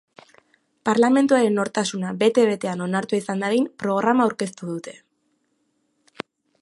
Parlamentuaren nortasuna bete-betean onartua izan dadin programa aurkeztu dute.